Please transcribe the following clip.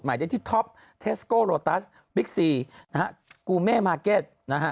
ได้ที่ท็อปเทสโกโลตัสบิ๊กซีนะฮะกูเม่มาร์เก็ตนะฮะ